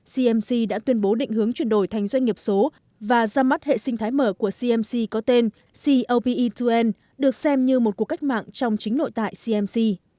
cmc đã tuyên bố định hướng chuyển đổi thành doanh nghiệp số và ra mắt hệ sinh thái mở của cmc có tên clpe toan được xem như một cuộc cách mạng trong chính nội tại cmc